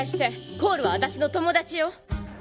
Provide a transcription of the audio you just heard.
コールは私の友達よ。